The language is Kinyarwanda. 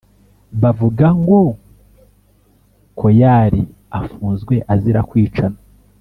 bavuga ngo koyari afunzwe azira kwicana